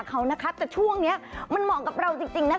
แต่ช่วงนี้มันเหมาะกับเราจริง